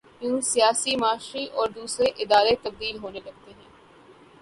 یوں سیاسی، معاشی اور دوسرے ادارے تبدیل ہونے لگتے ہیں۔